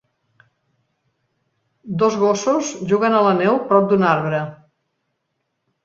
Dos gossos juguen a la neu prop d'un arbre.